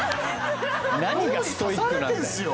何がストイックなんだよ？